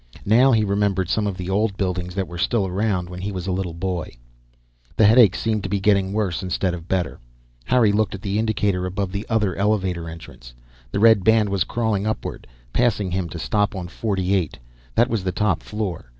Now he remembered some of the old buildings that were still around when he was a little boy The headache seemed to be getting worse instead of better. Harry looked at the indicator above the other elevator entrance. The red band was crawling upward, passing him to stop on 48. That was the top floor.